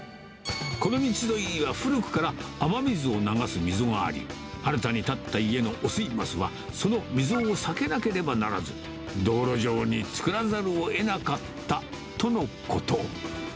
この道沿いには古くから、雨水を流す溝があり、新たに建った家の汚水桝はその溝を避けなければならず、道路上に作らざるをえなかったとのこと。